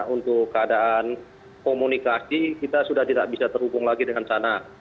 untuk keadaan komunikasi kita sudah tidak bisa terhubung lagi dengan sana